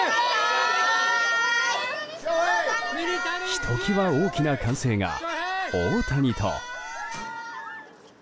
ひときわ大きな歓声が大谷と。